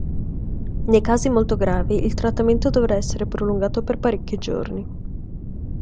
Nei casi molto gravi il trattamento dovrà essere prolungato per parecchi giorni.